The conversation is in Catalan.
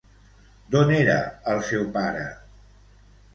D'on era el seu pare?